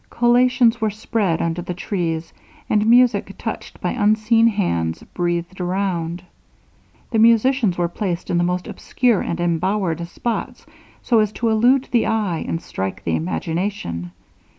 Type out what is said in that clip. Collations were spread under the trees; and music, touched by unseen hands, breathed around. The musicians were placed in the most obscure and embowered spots, so as to elude the eye and strike the imagination.